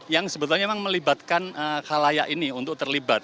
yang sebetulnya memang melibatkan halayak ini untuk terlibat